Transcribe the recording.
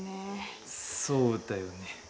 そうだよね。